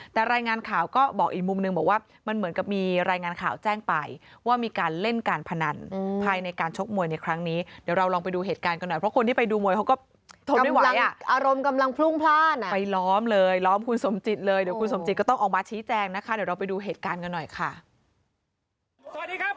แต่รายงานข่าวก็บอกอีกมุมนึงบอกว่ามันเหมือนกับมีรายงานข่าวแจ้งไปว่ามีการเล่นการพนันภายในการชกมวยในครั้งนี้เดี๋ยวเราลองไปดูเหตุการณ์กันหน่อยเพราะคนที่ไปดูมวยเขาก็ทนไม่ไหวอ่ะอารมณ์กำลังพลุ่งพลาดนะไปล้อมเลยล้อมคุณสมจิตเลยเดี๋ยวคุณสมจิตก็ต้องออกมาชี้แจงนะคะเดี๋ยวเราไปดูเหตุการณ์กันหน่อยค่ะ